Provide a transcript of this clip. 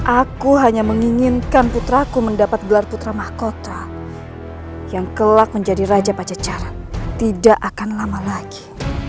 aku hanya menginginkan putraku mendapat gelar putra mahkota yang kelak menjadi raja pajajaran tidak akan lama lagi